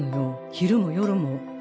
昼も夜も。